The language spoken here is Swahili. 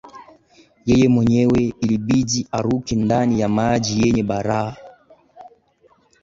yeye mwenyewe ilibidi aruke ndani ya maji yenye barafu